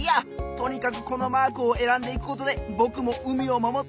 とにかくこのマークをえらんでいくことでぼくも海をまもっていくぞ！